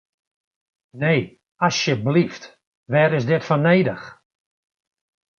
Nee, asjeblyft, wêr is dit foar nedich?